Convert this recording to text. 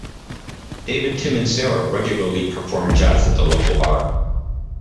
David, Tim and Sarah regularly perform jazz at the local bar.